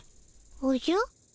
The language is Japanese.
おじゃ？